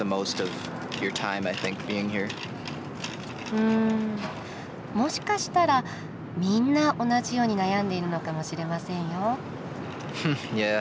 うんもしかしたらみんな同じように悩んでいるのかもしれませんよ。